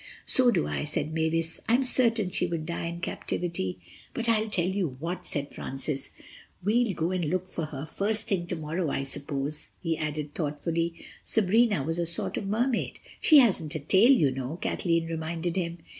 "So do I," said Mavis. "I'm certain she would die in captivity." "But I'll tell you what," said Francis, "we'll go and look for her, first thing tomorrow. I suppose," he added thoughtfully, "Sabrina was a sort of Mermaid." "She hasn't a tail, you know," Kathleen reminded him.